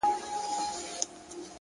د فکر ژورتیا د انسان لوړوالی ښيي!